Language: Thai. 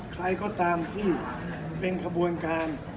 ใครก็ตามที่เป็นขบวนการ